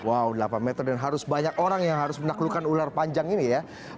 wow delapan meter dan harus banyak orang yang harus menaklukkan ular panjang ini ya